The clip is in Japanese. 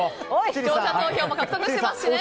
視聴者投票も獲得してますしね。